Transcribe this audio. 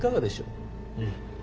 うん。